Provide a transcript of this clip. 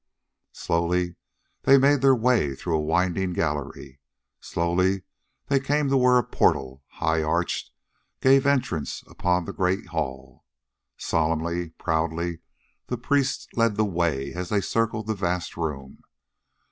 Slowly they made their way through a winding gallery. Slowly they came to where a portal, high arched, gave entrance upon the great hall. Solemnly, proudly, the priests lead the way as they circled the vast room.